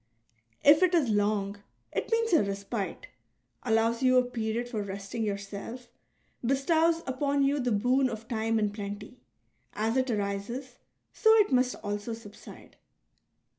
If it is long, it means a respite, allows you a period for resting yourself, bestows upon you the boon of time in plenty ; as it arises, so it must also subside.